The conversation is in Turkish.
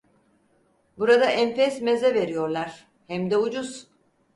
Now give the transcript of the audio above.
Burada enfes meze veriyorlar; hem de ucuz.